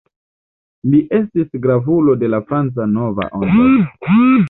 Li estis gravulo de la Franca Nova Ondo.